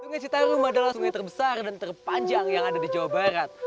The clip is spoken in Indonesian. sungai citarum adalah sungai terbesar dan terpanjang yang ada di jawa barat